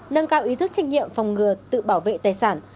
nâng cao ý thức trách nhiệm phòng ngừa tự bảo vệ tài sản